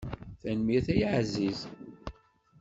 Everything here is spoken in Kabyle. Tanemmirt a aɛziz.